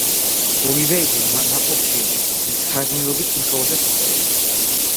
გოგიბერიძე ნაყოფიერ მთარგმნელობით მუშაობასაც ეწეოდა.